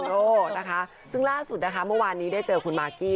โร่นะคะซึ่งล่าสุดนะคะเมื่อวานนี้ได้เจอคุณมากกี้